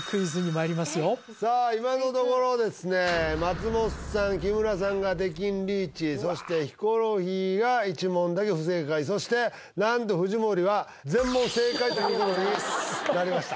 いまのところですね松本さん木村さんが出禁リーチそしてヒコロヒーが１問だけ不正解そして何と藤森は全問正解ということになりました